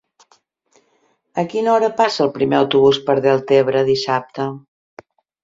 A quina hora passa el primer autobús per Deltebre dissabte?